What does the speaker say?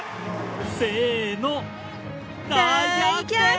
せの！